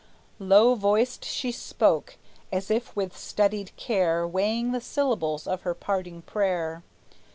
Low voiced she spoke, as if with studied care Weighing the syllables of her parting prayer.